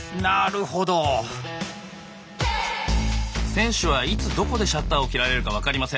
選手はいつどこでシャッターを切られるか分かりません。